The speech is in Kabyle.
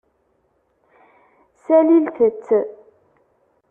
Salilt-t.